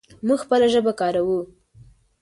موږ خپله ژبه کاروو.